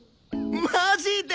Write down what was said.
マジで！？